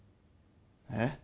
えっ？